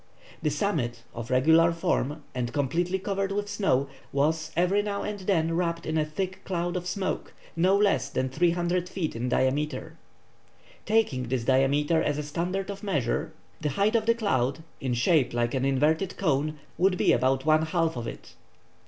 The summit, of regular form, and completely covered with snow, was every now and then wrapped in a thick cloud of smoke, no less than 300 feet in diameter. Taking this diameter as a standard of measure, the height of the cloud, in shape like an inverted cone, would be about one half of it.